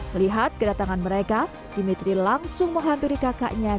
melihat kedatangan mereka dimitri langsung menghampiri kakaknya